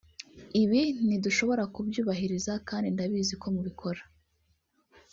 Ibi nidushobora kubyubahiriza kandi ndabizi ko mubikora